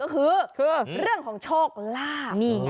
ก็คือเรื่องของโชคลาภ